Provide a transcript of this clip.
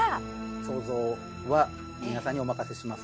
想像は皆さんにお任せします。